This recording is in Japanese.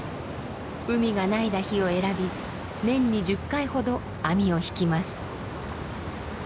海が凪いだ日を選び年に１０回ほど網を引きます。